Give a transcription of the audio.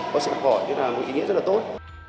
và học hỏi chứ là một kỳ nghĩa rất là tốt